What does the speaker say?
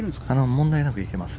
問題なくいけます。